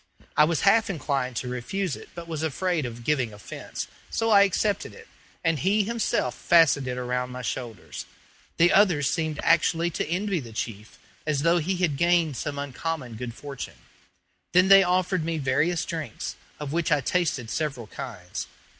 I was half inclined to refuse it, but was afraid of giving offence, so I accepted it, and he himself fastened it around my shoulders. The others seemed actually to envy the chief, as though he had gained some uncommon good fortune. Then they offered me various drinks, of which I tasted several kinds.